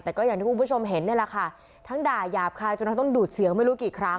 แต่ก็อย่างที่คุณผู้ชมเห็นนี่แหละค่ะทั้งด่ายาบคายจนทั้งต้องดูดเสียงไม่รู้กี่ครั้ง